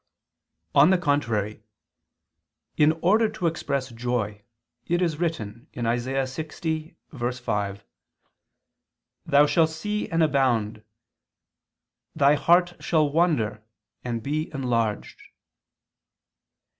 On the contrary, In order to express joy, it is written (Isa. 60:5): "Thou shall see and abound, thy heart shall wonder and be enlarged."